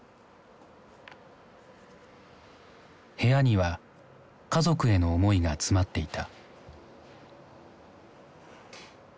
部屋には家族への思いが詰まっていた。